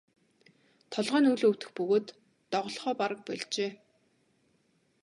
Толгой нь үл өвдөх бөгөөд доголохоо бараг больжээ.